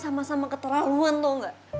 sama sama keterlaluan tau gak